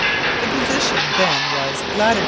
The position then was lat.